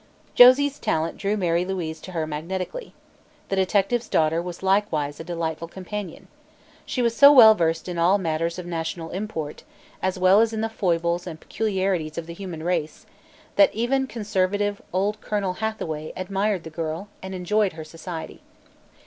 Josie's talent drew Mary Louise to her magnetically. The detective's daughter was likewise a delightful companion. She was so well versed in all matters of national import, as well as in the foibles and peculiarities of the human race, that even conservative, old Colonel Hathaway admired the girl and enjoyed her society.